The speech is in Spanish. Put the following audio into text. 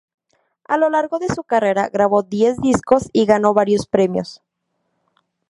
A lo largo de su carrera, grabó diez discos y ganó varios premios.